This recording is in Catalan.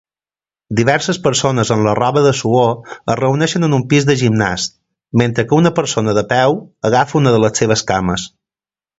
Diverses persones en la roba de suor es reuneixen en un pis de gimnàs, mentre que una persona de peu agafa una de les seves cames